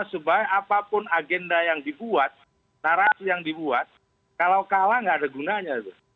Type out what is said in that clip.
sebab apapun agenda yang dibuat narasi yang dibuat kalau kalah nggak ada gunanya